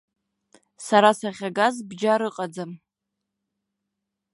Сара сахьагаз бџьар ыҟаӡам.